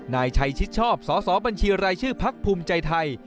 นายชัยชิดชอบสสบัญชีรายชื่อพักภูมิใจไทย